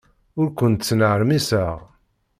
Ur kent-ttnermiseɣ.